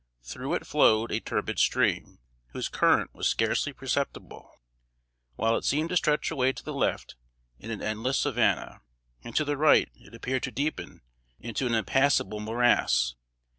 Through it flowed a turbid stream, whose current was scarcely perceptible, while it seemed to stretch away to the left in an endless savanna, and to the right it appeared to deepen into an impassable morass.